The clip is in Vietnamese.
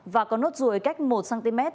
và có nốt ruồi cách một cm